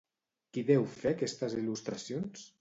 Qui deu fer aquestes il·lustracions?